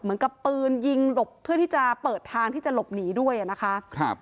เหมือนกับปืนยิงหลบเพื่อที่จะเปิดทางที่จะหลบหนีด้วยอ่ะนะคะครับ